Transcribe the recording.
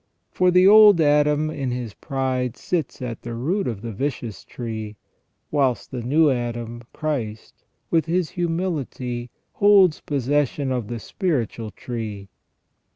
For the old Adam in his pride sits at the root of the vicious tree, whilst the new Adam, Christ, with His humility, holds possession of the spiritual tree.